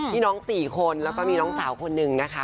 พี่น้องสี่คนแล้วก็มีน้องสาวคนนึงนะคะ